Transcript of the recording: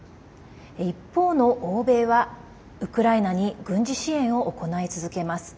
一方の欧米は、ウクライナに軍事支援を行い続けます。